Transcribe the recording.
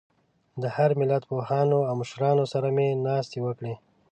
د هر ملت پوهانو او مشرانو سره مې ناستې وکړې.